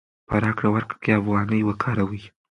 په راکړه ورکړه کې افغانۍ وکاروئ.